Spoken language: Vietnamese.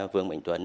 vương mệnh tuấn